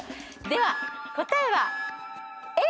では答えは。